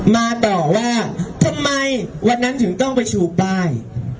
มาต่อว่าทำไมวันนั้นถึงต้องไปชูป้าย